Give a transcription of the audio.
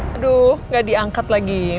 aduh gak diangkat lagi